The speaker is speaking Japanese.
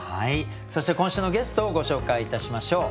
そして今週のゲストをご紹介いたしましょう。